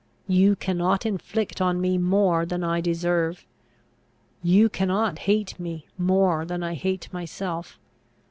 You cannot inflict on me more than I deserve. You cannot hate me, more than I hate myself.